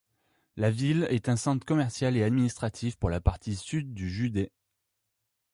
La ville est un centre commercial et administratif pour la partie sud du județ.